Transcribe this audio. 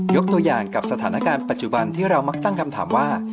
ตัวอย่างกับสถานการณ์ปัจจุบันที่เรามักตั้งคำถามว่า